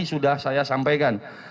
sudah saya sampaikan